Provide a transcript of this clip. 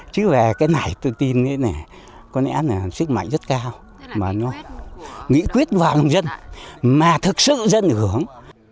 chứ về cái này tôi tin có lẽ là sức mạnh rất cao mà nó nghị quyết vào lòng dân mà thực sự dân ứng hưởng